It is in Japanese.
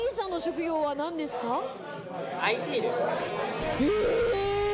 ＩＴですね。